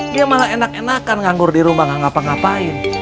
dia malah enak enakan nganggur di rumah gak ngapa ngapain